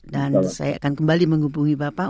saya akan kembali menghubungi bapak